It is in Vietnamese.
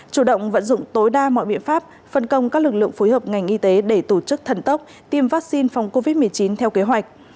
chủ động vận dụng tối đa mọi biện pháp phân công các lực lượng phối hợp ngành y tế để tổ chức thần tốc tiêm vaccine phòng covid một mươi chín theo kế hoạch